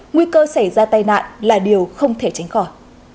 nguy cơ xảy ra tai nạn là điều không thể tránh khỏi